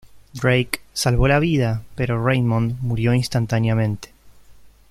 Drake salvó la vida, pero Raymond murió instantáneamente.